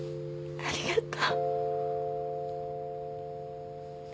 ありがとう。